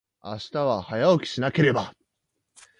明日は、早起きしなければ。